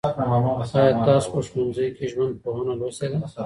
آیا تاسو په ښوونځي کي ژوندپوهنه لوستې ده؟